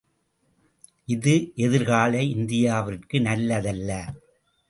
இது எதிர்கால இந்தியாவிற்கு நல்லதல்ல.